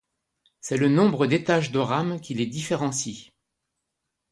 C'est le nombre d'étage de rames qui les différencie.